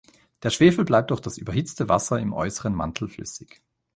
Der Schwefel bleibt durch das überhitzte Wasser im äußeren Mantel flüssig.